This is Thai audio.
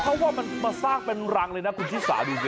เพราะว่ามันมาสร้างเป็นรังเลยนะคุณชิสาดูสิ